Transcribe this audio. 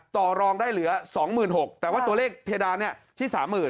ต่อรองได้เหลือ๒๖๐๐แต่ว่าตัวเลขเพดานเนี่ยที่๓๐๐๐